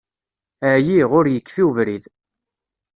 Ɛyiɣ, ur yekfi ubrid.